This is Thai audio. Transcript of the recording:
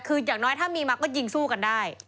คืออย่างน้อยถ้ามีมาก็ยิงสู้กันได้